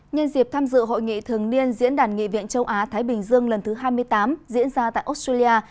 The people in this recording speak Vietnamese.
nhân dịp tham dự hội nghị thường niên diễn đàn nghị viện châu á thái bình dương lần thứ hai mươi tám diễn ra tại australia